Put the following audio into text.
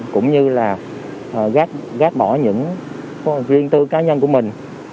cũng như là gác bỏ những riêng tư cá nhân của mình